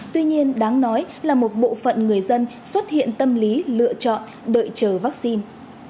tuy nhiên đáng nói là một bộ phận người dân xuất hiện tâm lý lựa chọn đợi chờ vaccine